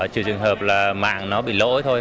trừ trường hợp là mạng nó bị lỗi thôi